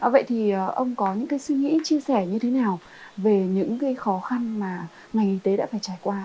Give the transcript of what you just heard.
vậy thì ông có những cái suy nghĩ chia sẻ như thế nào về những khó khăn mà ngành y tế đã phải trải qua